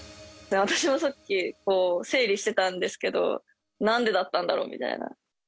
私もさっき、整理してたんですけど、なんでだったんだろうみたいな。